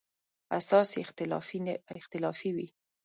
اساس یې اختلافي وي.